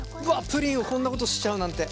プリンをこんなことしちゃうなんて珍しい。